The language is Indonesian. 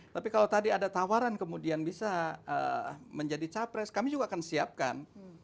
tapi kalau tadi ada tawaran kemudian bisa menjadi capres kami juga akan siapkan